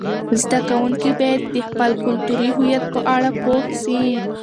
زده کوونکي باید د خپل کلتوري هویت په اړه پوه سي.